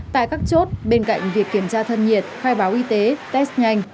tại các chốt bên cạnh việc kiểm tra thân nhiệt khai báo y tế test nhanh